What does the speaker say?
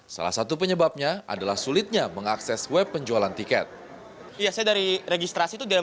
salah satu penyebabnya adalah sulitnya mengakses web penjualan tiket